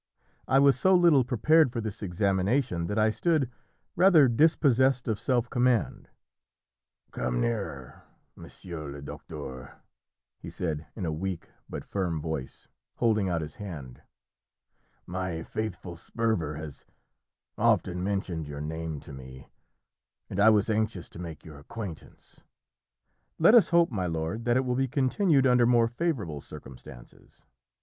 I was so little prepared for this examination that I stood rather dispossessed of self command. "Come nearer, monsieur le docteur," he said in a weak but firm voice, holding out his hand. "My faithful Sperver has often mentioned your name to me; and I was anxious to make your acquaintance." "Let us hope, my lord, that it will be continued under more favourable circumstances.